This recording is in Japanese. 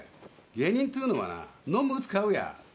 芸人っちゅうのはな、飲む、打つ、買うや。